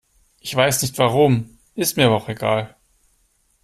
Ich weiß nicht warum, ist mir aber auch egal.